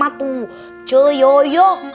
aduh ini sudah